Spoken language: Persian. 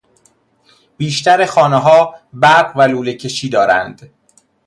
بیشتر خانهها برق و لوله کشی دارند.